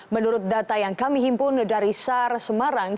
menurut data yang kami himpun dari sar semarang